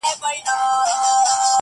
یوه ورځ عطار د ښار د باندي تللی؛